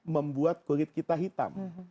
membuat kulit kita hitam